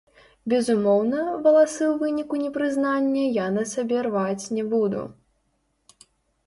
Безумоўна, валасы ў выніку непрызнання я на сабе рваць не буду.